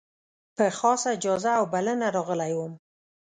په خاصه اجازه او بلنه راغلی وم.